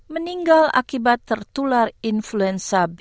meninggal akibat tertular influenza b